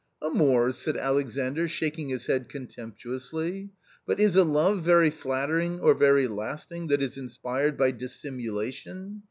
" Amours !" said Alexandr, shaking his head contemptu ously ;" but is a love very flattering or very lasting that is inspired by dissimulation